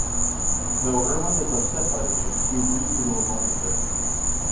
Though Irwin is upset by the news, he agrees to go along with it.